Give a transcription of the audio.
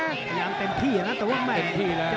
พยายามเต็มที่อย่างนั้นแต่ว่าแม่